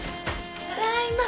ただいま。